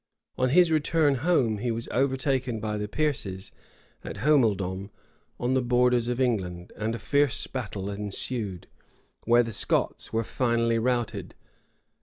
On his return home, he was overtaken by the Piercies, at Homeldom, on the borders of England, and a fierce battle ensued, where the Scots were totally routed.